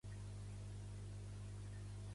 Tenir molta merda a les sabates